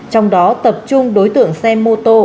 trong đó tập trung đối tượng xe mô tô